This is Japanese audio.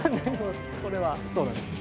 これはそうなんですよ。